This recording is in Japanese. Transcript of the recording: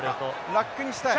ラックにしたい。